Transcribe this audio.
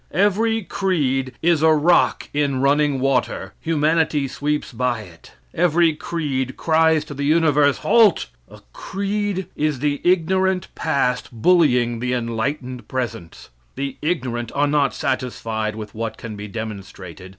Every creed is a rock in running water; humanity sweeps by it. Every creed cries to the universe, "Halt!" A creed is the ignorant past bullying the enlightened present. The ignorant are not satisfied with what can be demonstrated.